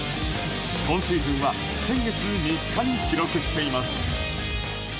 今シーズンは先月３日に記録しています。